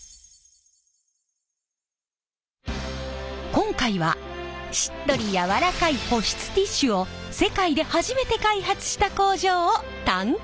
今回はしっとり柔らかい保湿ティッシュを世界で初めて開発した工場を探検！